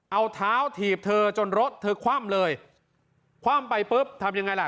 เอาเท้าถีบเธอจนรถเธอคว่ำเลยคว่ำไปปุ๊บทำยังไงล่ะ